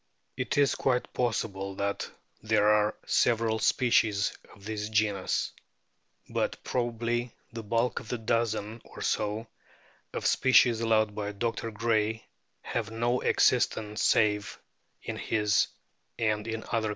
It is quite possible that there are several species of the genus. But probably the bulk of the dozen or so of species allowed by Dr. Gray have no existence save in his and in other catalogues.